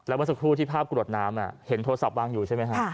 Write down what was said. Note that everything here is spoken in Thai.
เมื่อสักครู่ที่ภาพกรวดน้ำเห็นโทรศัพท์วางอยู่ใช่ไหมฮะ